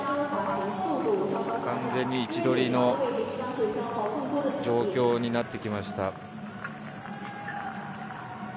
完全に位置取りの状況になってきました。